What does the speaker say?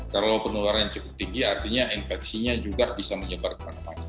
kalau penularannya cukup tinggi artinya infeksinya juga bisa menyebar kemana mana